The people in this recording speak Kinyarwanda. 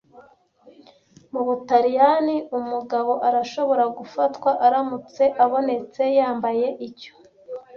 Mu Butaliyani umugabo arashobora gufatwa aramutse abonetse yambaye icyo